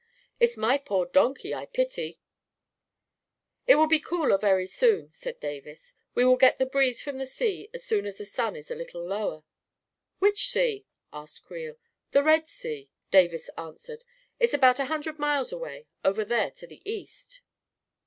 " It's my poor donkey I pity I "" It will be cooler very soon," said Davis. " We will get the breeze from the sea as soon as the sun is a little lower." "Which sea? "asked Creel " The Red Sea," Davis answered. " It's about a hundred miles away, over there to the east."